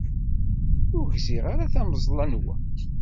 Ur gziɣ ara tameẓla-nwen.